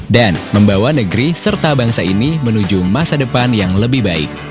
dan membawa negeri serta bangsa ini menuju masa depan yang lebih baik